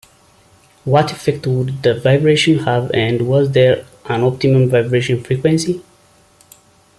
What effect would the vibration have and was there an optimum vibration frequency?